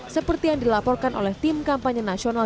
seperti yang dilaporkan oleh tim kampanye nasional